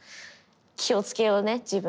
気をつけようね自分。